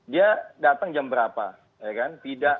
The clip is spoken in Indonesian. dia datang jam berapa ya kan